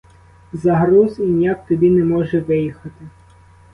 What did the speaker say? Загруз і ніяк тобі не може виїхати.